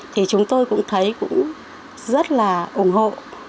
thì chúng tôi cũng thấy cũng rất là ủng hộ